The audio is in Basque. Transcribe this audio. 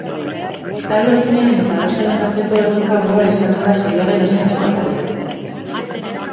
Talde urdinaren eta arrosaren arteko erronka gogorra izango da saioaren azkeneko atalean.